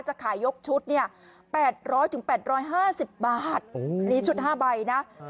จะขายยกชุดเนี่ยแปดร้อยถึงแปดร้อยห้าสิบบาทอันนี้ชุดห้าใบนะอ่า